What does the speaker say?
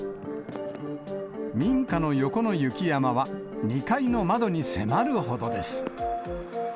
民家の横の雪山は２階の窓に迫るほどです。